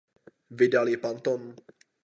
Vydal ji Panton.